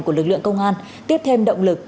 của lực lượng công an tiếp thêm động lực